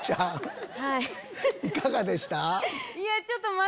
いかがでした？